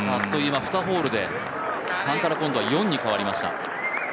２ホールで３から今度４に変わりました。